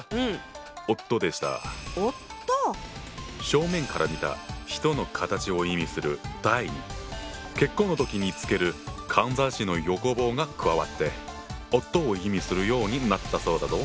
正面から見た人の形を意味する「大」に結婚の時につけるかんざしの横棒が加わって「夫」を意味するようになったそうだぞ。